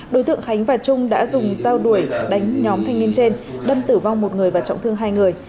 đối tượng khánh và trung đã dùng dao đuổi đánh nhóm thanh niên trên đâm tử vong một người và trọng thương hai người